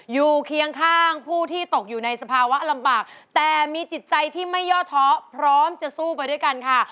เคียงข้างผู้ที่ตกอยู่ในสภาวะลำบากแต่มีจิตใจที่ไม่ย่อท้อพร้อมจะสู้ไปด้วยกันค่ะ